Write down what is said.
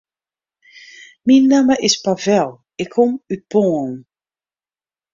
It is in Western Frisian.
Myn namme is Pavel, ik kom út Poalen.